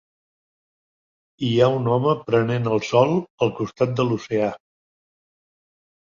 Hi ha un home prenent el sol al costat de l'oceà.